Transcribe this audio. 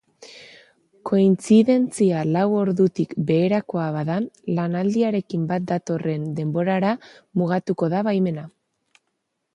Kointzidentzia lau ordutik beherakoa bada, lanaldiarekin bat datorren denborara mugatuko da baimena.